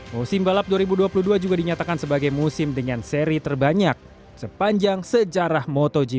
musim balap dua ribu dua puluh dua juga dinyatakan sebagai musim dengan seri terbanyak sepanjang sejarah motogp